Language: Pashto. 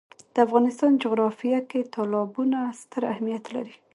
د افغانستان جغرافیه کې تالابونه ستر اهمیت لري.